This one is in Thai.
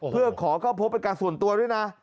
เพื่อขอเข้าพบเป็นการส่วนตัวด้วยนะ